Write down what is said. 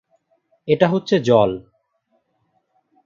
এটা হচ্ছে জল।